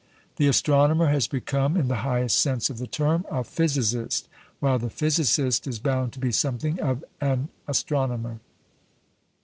The astronomer has become, in the highest sense of the term, a physicist; while the physicist is bound to be something of an astronomer.